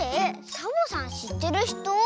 サボさんしってるひと？